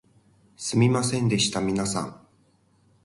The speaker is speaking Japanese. すみませんでした皆さん